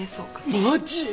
マジ！？